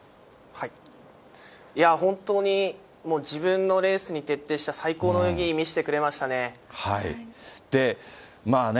本当にもう自分のレースに徹底した、最高の泳ぎを見せてくれましたね。